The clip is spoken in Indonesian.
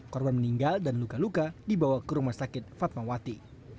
korban meninggal dan luka luka dibawa ke rumah sakit fatmawati